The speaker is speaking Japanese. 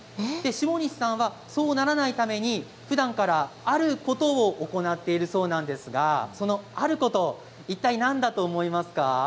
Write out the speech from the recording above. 下西さんは、そうならないためにふだんからあることを行っているそうなんですがそのあることいったい何だと思いますか？